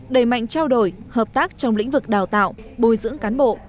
đẩy mạnh trao đổi hợp tác trong lĩnh vực đào tạo bồi dưỡng cán bộ